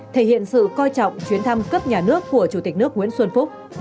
thể hiện sự coi trọng chuyến thăm cấp nhà nước của chủ tịch nước nguyễn xuân phúc